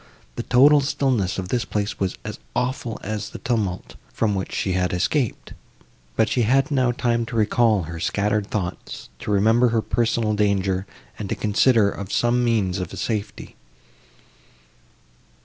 The total stillness of this place was as awful as the tumult, from which she had escaped: but she had now time to recall her scattered thoughts, to remember her personal danger, and to consider of some means of safety.